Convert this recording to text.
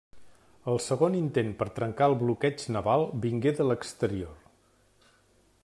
El segon intent per trencar el bloqueig naval vingué de l'exterior.